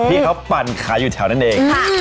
ที่เขาปั่นขายอยู่แถวนั้นเอง